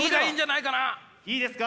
いいですか？